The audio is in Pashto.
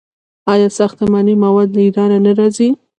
آیا ساختماني مواد له ایران نه راځي؟